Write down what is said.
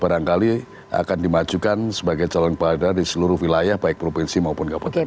barangkali akan dimajukan sebagai calon kepala daerah di seluruh wilayah baik provinsi maupun kabupaten